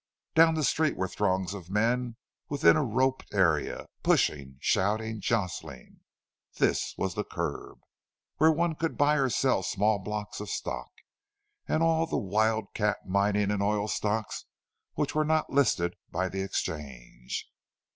Down the street were throngs of men within a roped arena, pushing, shouting, jostling; this was "the curb," where one could buy or sell small blocks of stock, and all the wild cat mining and oil stocks which were not listed by the Exchange.